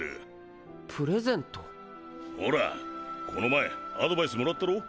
ほらこの前アドバイスもらったろ？